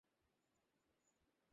আপনি এটা বিশ্বাস করেন?